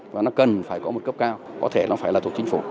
và nó cần phải có một cấp cao có thể nó phải là thuộc chính phủ